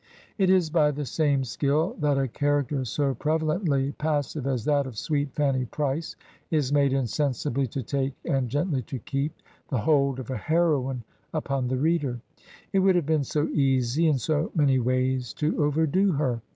It is by the same skill that a character so prevalently passive as that of sweet Fanny Price is made insensibly to take and gently to keep the hold of a heroine upon the reader. It would have been so easy in so many ways to overdo her.